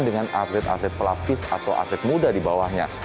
dengan atlet atlet pelapis atau atlet muda di bawahnya